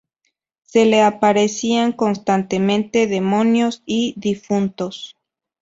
Se le aparecían constantemente demonios y difuntos.